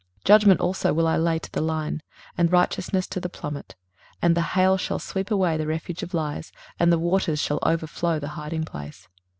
23:028:017 Judgment also will I lay to the line, and righteousness to the plummet: and the hail shall sweep away the refuge of lies, and the waters shall overflow the hiding place.